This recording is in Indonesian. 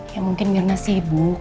ya mungkin mirna sibuk